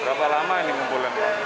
berapa lama ini kumpulan